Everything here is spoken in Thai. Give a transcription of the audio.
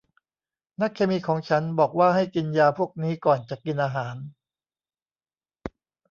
นักเคมีของฉันบอกว่าให้กินยาพวกนี้ ก่อนจะกินอาหาร